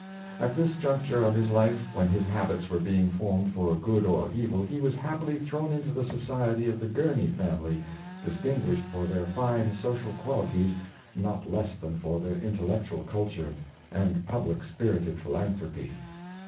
At this juncture of his life^ when his habits were being formed for good or evil, he was happily thrown into the society of the Gurney family, distin guished for their fine social qualities not less than for their intellectual culture and public spirited philanthro^ py.